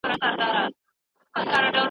هیله مند انسان د ستونزو مقابله زده کوي.